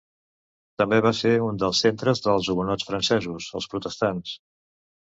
També va ser un dels centres dels hugonots francesos, els protestants.